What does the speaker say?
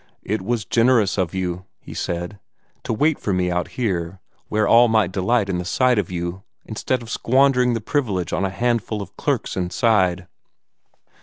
"It was generous of you," he said, "to wait for me out here, where all might delight in the sight of you, instead of squandering the privilege on a handful of clerks inside."